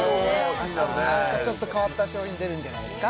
明日も何かちょっと変わった商品出るんじゃないですか？